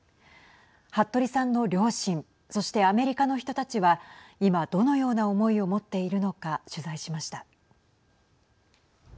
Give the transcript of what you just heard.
服部さんの両親そしてアメリカの人たちは今どのような思いを持っているのか取材しました。